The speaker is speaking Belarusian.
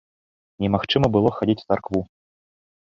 Немагчыма было хадзіць у царкву.